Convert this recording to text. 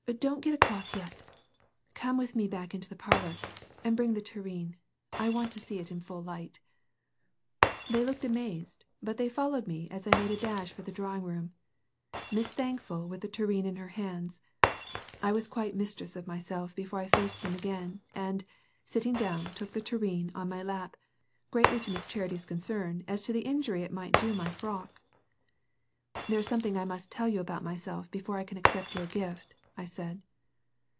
"Don't get a cloth yet. Come with me back into the parlor, and bring the tureen. I want to see it in full light." They looked amazed, but they followed me as I made a dash for the drawing room, Miss Thankful with the tureen in her hands. I was quite Mistress of myself before I faced them again, and, sitting down, took the tureen on my lap, greatly to Miss Charity's concern as to the injury it might do my frock. "There is something I must tell you about myself before I can accept your gift," I said.